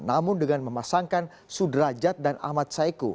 namun dengan memasangkan sudrajat dan ahmad saiku